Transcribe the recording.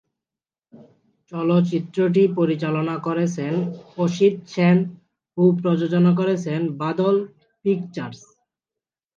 চলচ্চিত্রটি পরিচালনা করেছেন অসিত সেন ও প্রযোজনা করেছেন বাদল পিকচার্স।